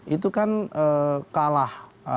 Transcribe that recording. itu kan kalah